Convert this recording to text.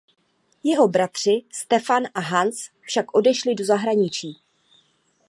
Jeho bratři Stefan a Hans však odešli do zahraničí.